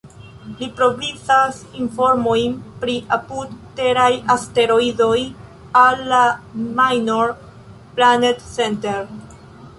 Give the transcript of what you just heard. Li provizas informojn pri apud-teraj asteroidoj al la "Minor Planet Center".